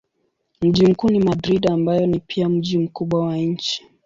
Mji mkuu ni Madrid ambayo ni pia mji mkubwa wa nchi.